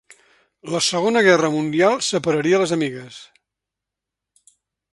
La Segona Guerra Mundial separaria les amigues.